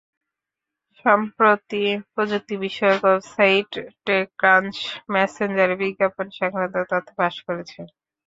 সম্প্রতি প্রযুক্তি বিষয়ক ওয়েবসাইট টেকক্রাঞ্চ মেসেঞ্জারে বিজ্ঞাপন সংক্রান্ত তথ্য ফাঁস করেছে।